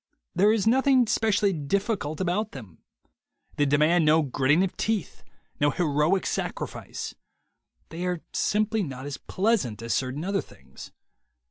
There is nothing specially difficult about them. They demand no gritting of teeth, no heroic sacrifice. They are simply not as pleasant as certain other things.